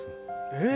えっ！